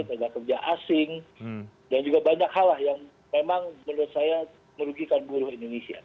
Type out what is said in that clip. tenaga kerja asing dan juga banyak hal lah yang memang menurut saya merugikan buruh indonesia